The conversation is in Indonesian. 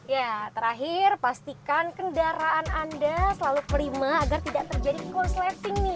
ya terakhir pastikan kendaraan anda selalu prima agar tidak terjadi cross lighting nih